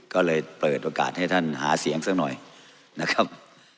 ก็เลยเปิดโอกาสให้ท่านหาเสียงซะหน่อยนะครับ